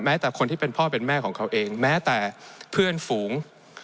แต่คนที่เป็นพ่อเป็นแม่ของเขาเองแม้แต่เพื่อนฝูง